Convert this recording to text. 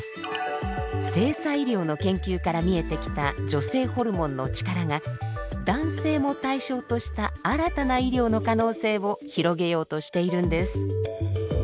性差医療の研究から見えてきた女性ホルモンのチカラが男性も対象とした新たな医療の可能性を広げようとしているんです。